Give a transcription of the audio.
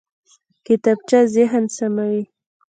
کتابچه ذهن سموي